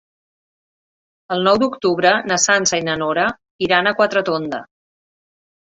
El nou d'octubre na Sança i na Nora iran a Quatretonda.